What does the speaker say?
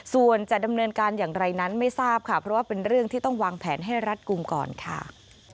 ส่วนจะดำเนินการอย่างไรนั้นไม่ทราบค่ะเพราะว่าเป็นเรื่องที่ต้องวางแผนให้รัดกลุ่มก่อนค่ะ